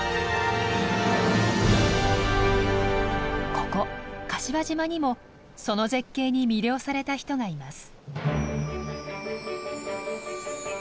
ここ柏島にもその絶景に魅了された人がいます。